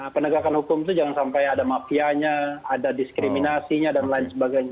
penegakan hukum itu jangan sampai ada mafianya ada diskriminasinya dan lain sebagainya